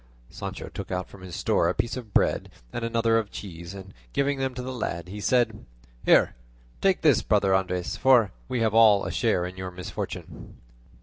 Sancho took out from his store a piece of bread and another of cheese, and giving them to the lad he said, "Here, take this, brother Andres, for we have all of us a share in your misfortune."